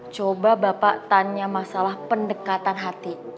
coba bapak tanya masalah pendekatan hati